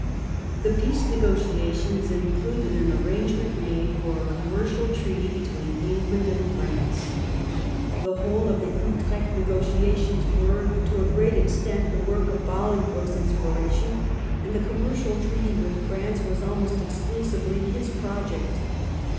The peace negotiations included an arrangement made for a commercial treaty between England and France. The whole of the Utrecht negotiations ^ere, to a great extent, the work of Bolingbroke's inspiration, and the commercial treaty with France was almost exclusively his project.